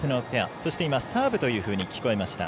そして、サーブというふうに聞こえました。